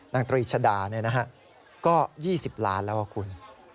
นางตรีชดาเนี่ยนะฮะก็๒๐ล้านแล้วครับคุณ